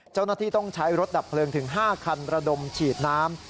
เจ้าหน้าที่ต้องใช้รถดับเพลิงถึง๕คันระดมฉีดน้ำ